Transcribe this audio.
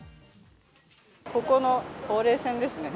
ここのほうれい線ですね。